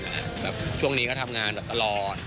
แบบช่วงนี้ก็ทำงานแบบตลอด